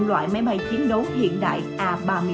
loại máy bay chiến đấu hiện đại a ba mươi một